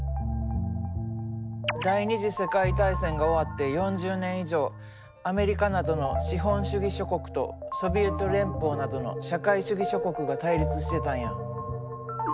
第２次世界大戦が終わって４０年以上アメリカなどの資本主義諸国とソビエト連邦などの社会主義諸国が対立してたんや。